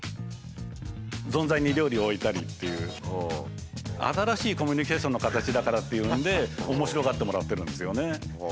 ぞんざいに料理を置いたりっていう新しいコミュニケーションの形だからっていうので面白がってもらってるんですよね。